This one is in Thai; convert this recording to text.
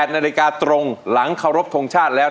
นาฬิกาตรงหลังเคารพทงชาติแล้ว